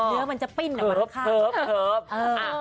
เนื้อมันจะปิ้นออกมาข้าง